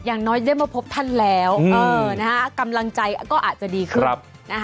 อย่างน้อยได้มาพบท่านแล้วกำลังใจก็อาจจะดีขึ้น